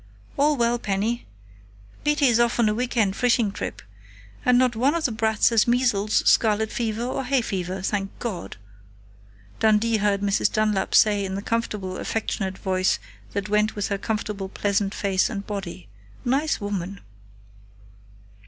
"All well, Penny. Petey's off on a week end fishing trip, and not one of the brats has measles, scarlet fever or hay fever, thank God," Dundee heard Mrs. Dunlap say in the comfortable, affectionate voice that went with her comfortable, pleasant face and body.... Nice woman!